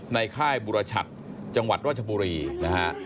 ในค่ายบุรชัตริย์จังหวัดราชบุรีนะครับ